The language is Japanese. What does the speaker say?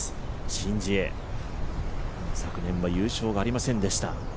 シン・ジエ、昨年は優勝がありませんでした。